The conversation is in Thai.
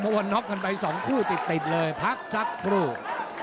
เพราะว่าน็อกกันไป๒คู่ติดเลยพักสักครู่